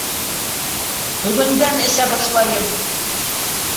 Бөгөндән эсә башлайым!